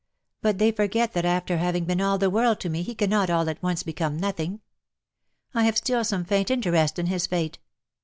But they forget that after having been all the world to me he cannot all at once become nothing. I have still some faint interest in his fate.